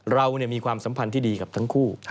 เรามีความสัมพันธ์ที่ดีกับทั้งคู่